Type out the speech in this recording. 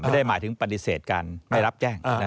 ไม่ได้หมายถึงปฏิเสธการไม่รับแจ้ง